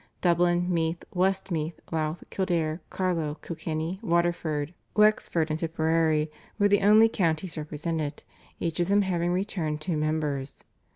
Dublin, Meath, Westmeath, Louth, Kildare, Carlow, Kilkenny, Waterford, Wexford, and Tipperary were the only counties represented, each of them having returned two members.